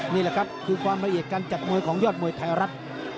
นี่แหละครับคือความละเอียดการจัดมวยของยอดมวยไทยรัฐ